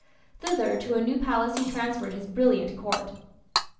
Thither to a new palace he transferred his brilliant Court.